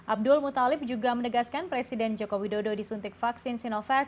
abdul mutalib juga menegaskan presiden joko widodo disuntik vaksin sinovac